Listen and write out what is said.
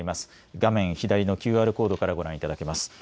画面左のＱＲコードからご覧いただけます。